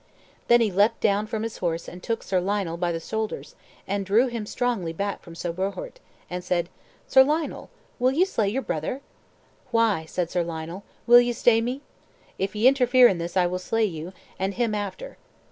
Then leapt he down from his horse and took Sir Lionel by the shoulders, and drew him strongly back from Sir Bohort, and said, "Sir Lionel, will ye slay your brother?" "Why," said Sir Lionel, "will ye stay me? If ye interfere in this I will slay you, and him after."